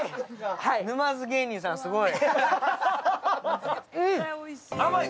沼津芸人さん、すごい。